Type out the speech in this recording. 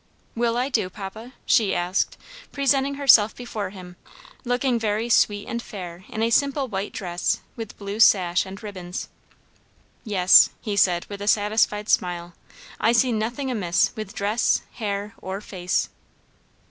"Will I do, papa?" she asked, presenting herself before him, looking very sweet and fair in a simple white dress with blue sash and ribbons. "Yes," he said with a satisfied smile, "I see nothing amiss with dress, hair, or face."